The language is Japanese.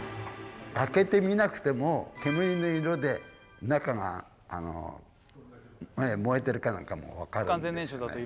開けて見なくても煙の色で中が燃えてるかなんかも分かるんですよね